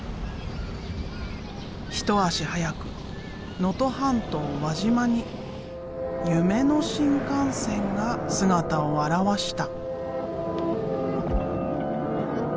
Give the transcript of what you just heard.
一足早く能登半島輪島に夢の新幹線が姿を現した。